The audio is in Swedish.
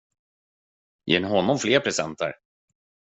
Ger ni honom fler presenter?